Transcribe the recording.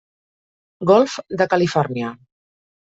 Golf de Califòrnia.